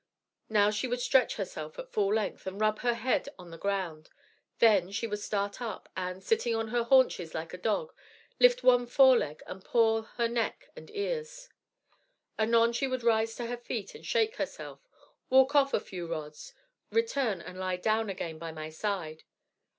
Now she would stretch herself at full length, and rub her head on the ground. Then she would start up, and, sitting on her haunches, like a dog, lift one foreleg and paw her neck and ears. Anon she would rise to her feet and shake herself, walk off a few rods, return and lie down again by my side.